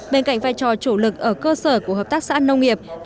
bên cạnh vai trò chủ lực ở cơ sở của hợp tác xã nông nghiệp